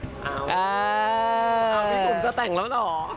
เอ้าเอ้าพี่กุ่มจะแต่งแล้วหรอ